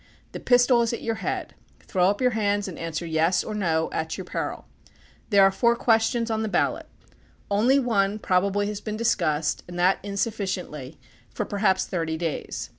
The pistol is at your head; throw up your hands and answer " yes " or " no " at your peril. There are four questions THE PUBLIC OPINION BILL 15 on the ballot. Only one probably has been discussed, and that insufficiently, for perhaps thirty days.